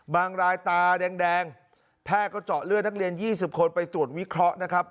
รายตาแดงแพทย์ก็เจาะเลือดนักเรียน๒๐คนไปตรวจวิเคราะห์นะครับ